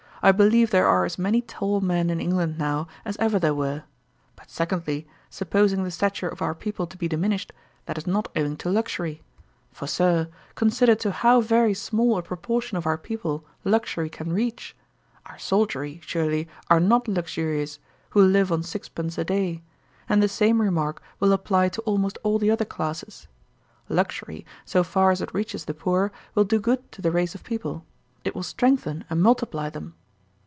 I believe there are as many tall men in England now, as ever there were. But, secondly, supposing the stature of our people to be diminished, that is not owing to luxury; for, Sir, consider to how very small a proportion of our people luxury can reach. Our soldiery, surely, are not luxurious, who live on six pence a day; and the same remark will apply to almost all the other classes. Luxury, so far as it reaches the poor, will do good to the race of people; it will strengthen and multiply them.